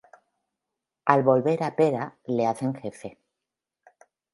Al volver a Pera, le hacen jefe.